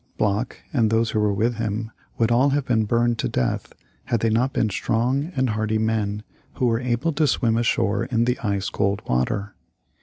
Block and those who were with him would all have been burned to death had they not been strong and hardy men who were able to swim ashore in the ice cold water.